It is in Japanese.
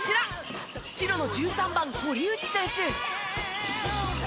白の１３番堀内選手。